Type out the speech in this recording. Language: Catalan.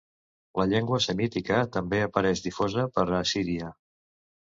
La llengua semítica també apareix difosa per Assíria.